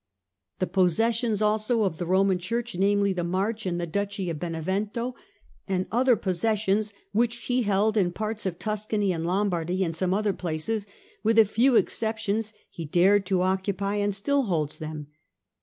" The possessions also of the Roman Church, namely, the March and the duchy of Benevento, and other possessions which she held in parts of Tuscany and Lombardy, and some other places, with a few exceptions, he dared to occupy and still holds them.